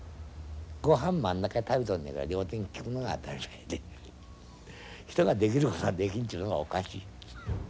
ごはん真ん中で食べとんじゃから両手がきくのが当たり前で人ができることができんちゅうのがおかしい。